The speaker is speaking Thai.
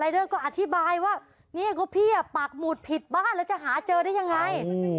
เดอร์ก็อธิบายว่าเนี่ยก็พี่ปากหมุดผิดบ้านแล้วจะหาเจอได้ยังไง